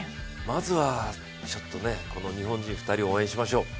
まずは日本人２人を応援しましょう